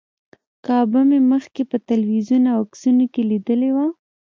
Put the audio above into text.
کعبه مې مخکې په تلویزیون او عکسونو کې لیدلې وه.